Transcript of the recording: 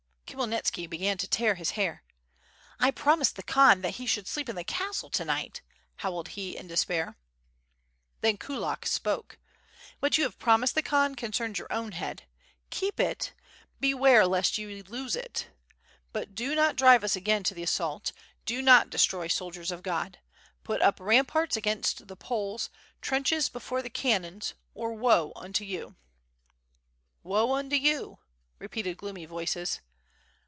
Khmyelnitski began to tear his hair. "I promised the Khan that he should sleep in the castle to night," howled he, in despair. Then Kulak spoke: "What you have promised the Khan concerns your own head. Keep it. Beware lest you lose it. ... But do not drive us again to the assault; do not de stroy soldiers of God. Put up ramparts against the Poles, trenihes before the cannon, or woe unto you." WITH FIRE AND SWORD. yij Woe unto you!" repeated gloomy voices.